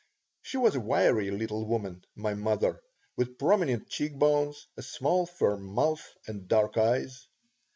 She was a wiry little woman, my mother, with prominent cheek bones, a small, firm mouth, and dark eyes.